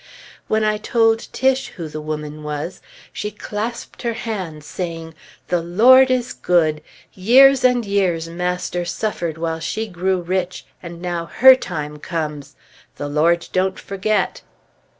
When I told Tiche who the woman was, she clasped her hands, saying, "The Lord is good! Years and years master suffered while she grew rich, and now her time comes! The Lord don't forget!"